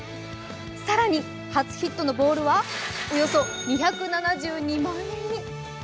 更に初ヒットのボールは、およそ２７２万円に！